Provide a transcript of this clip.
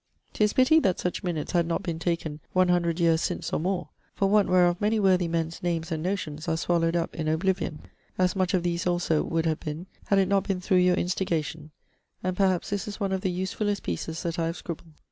'Tis pitty that such minutes had not been taken 100 yeares since or more: for want wherof many worthy men's names and notions are swallowd up in oblivion; as much of these also would [have been], had it not been through your instigation: and perhaps this is one of the usefullest pieces that I have scribbeld.